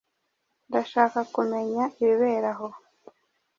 Ndashaka kumenya ibibera aho.